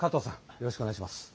よろしくお願いします。